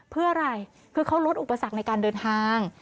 เพื่ออะไรคือเขาลดอุปสรรคในการเดินทาง